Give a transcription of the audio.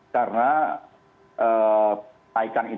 karena naikan itu kemudian